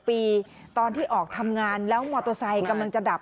ปีตอนที่ออกทำงานแล้วมอเตอร์ไซค์กำลังจะดับ